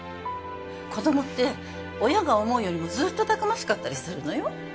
子どもって親が思うよりもずっとたくましかったりするのよ